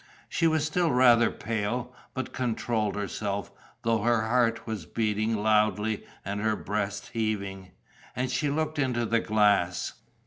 She was still rather pale, but controlled herself, though her heart was beating loudly and her breast heaving. And she looked in the glass.